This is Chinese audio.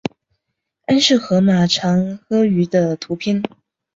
安氏河马长颌鱼的图片